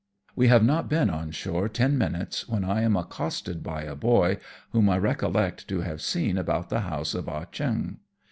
SHANGHAI A GAIN. 7 7 AYe have not been on shore ten minutes when I am accosted b_y a boy, whom I recollect to have seen about the house of Ah Cheong.